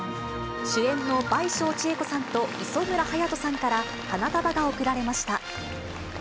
主演の倍賞千恵子さんと磯村勇斗さんから、花束が贈られました。